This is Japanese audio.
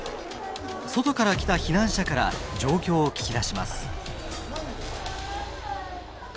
外から来た避難者から状況を聞き出します。